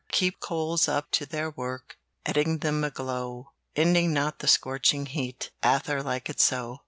"Keeping coals up to their work, Setting them aglow, Minding not the scorching heat, Rather like it so.